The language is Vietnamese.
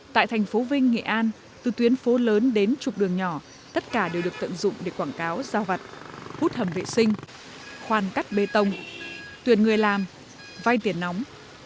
tại thành phố vinh nghệ an từ tuyến phố lớn đến trục đường nhỏ tất cả đều được tận dụng để quảng cáo giao vặt hút hầm vệ sinh khoan cắt bê tông tuyển người làm vay tiền nóng